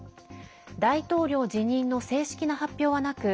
大統領辞任の正式な発表はなく